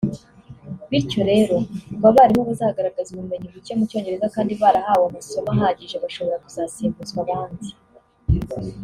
bityo rero ngo abarimu bazagaragaza ubumenyi bucye mu cyongereza kandi barahawe amasomo ahagije bashobora kuzasimbuzwa abandi